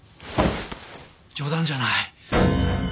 冗談じゃない！